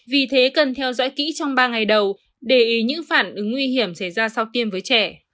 vì thế cần theo dõi kỹ trong ba ngày đầu để ý những phản ứng nguy hiểm xảy ra sau tiêm với trẻ